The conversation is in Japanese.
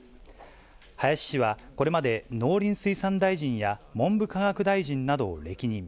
林氏はこれまで、農林水産大臣や文部科学大臣などを歴任。